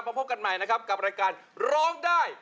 ฝรั่งก็ร้องเลย